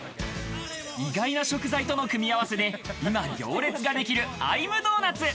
意外な食材との組み合わせで、今、行列ができるＩ’ｍｄｏｎｕｔ？